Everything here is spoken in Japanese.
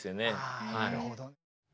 あなるほど。